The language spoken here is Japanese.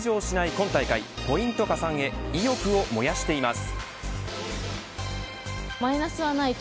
今大会ポイント加算へ意欲を燃やしています。